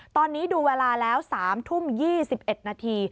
ตอนนี้ดูเวลาแล้ว๓ทุ่ม๒๑นาที